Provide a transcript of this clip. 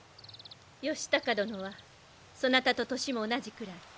義高殿はそなたと年も同じくらい。